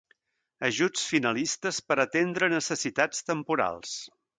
Ajuts finalistes per atendre necessitats temporals.